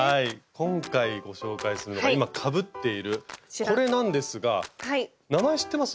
今回ご紹介するのが今かぶっているこれなんですが名前知ってます？